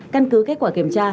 căn cứ kết quả kiểm tra